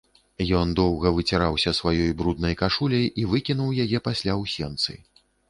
Ён доўга выціраўся сваёй бруднай кашуляй і выкінуў яе пасля ў сенцы.